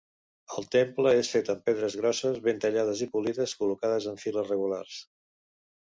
El temple és fet amb pedres grosses, ben treballades i polides, col·locades en files regulars.